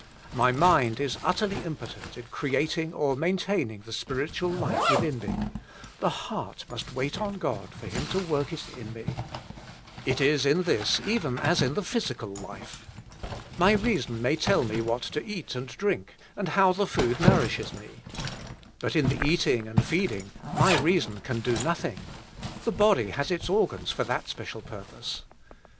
My mind is utterly impotent in creating or maintaining the spiritual life within me : the heart must wait on God for Him to work it in me. It is in this even as in the physical life. My reason may tell me what to eat and drink, and how the food nourishes me. But in the eating and feeding my reason can do nothing: the body has its organs for that special purpose.